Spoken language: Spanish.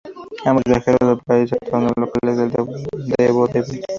Ambos viajaron por el país actuando en locales de vodevil.